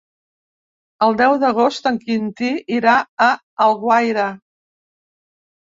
El deu d'agost en Quintí irà a Alguaire.